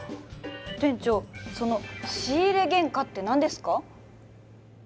店長その仕入原価って何ですか？